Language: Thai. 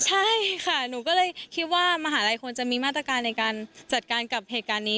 ใช่ค่ะหนูก็เลยคิดว่ามหาลัยควรจะมีมาตรการในการจัดการกับเหตุการณ์นี้